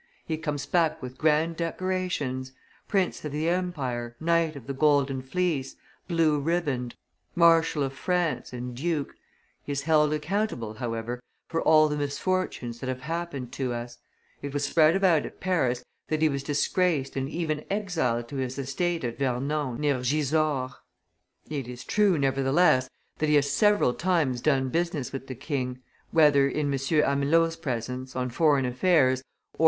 He comes back with grand decorations: prince of the empire, knight of the Golden Fleece, blue riband, marshal of France, and duke. He is held accountable, however, for all the misfortunes that have happened to us; it was spread about at Paris that he was disgraced and even exiled to his estate at Vernon, near Gisors. It is true, nevertheless, that he has several times done business with the king, whether in M. Amelot's presence, on foreign affairs, or M.